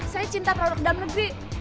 saya cinta produk dalam negeri